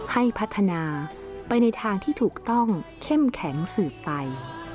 ให้พัฒนาไปในทางที่ถูกต้องเข้มแข็งสืบไป